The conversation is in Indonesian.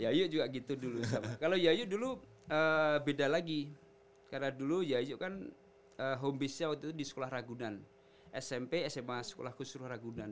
yayu juga gitu dulu kalau yayu dulu beda lagi karena dulu yayu kan home base nya waktu itu di sekolah ragunan smp sma sekolah kusruh ragunan